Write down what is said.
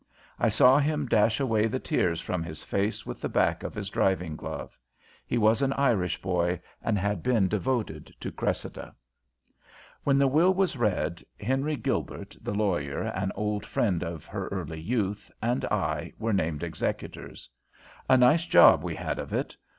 I saw him dash away the tears from his face with the back of his driving glove. He was an Irish boy, and had been devoted to Cressida. When the will was read, Henry Gilbert, the lawyer, an old friend of her early youth, and I, were named executors. A nice job we had of it.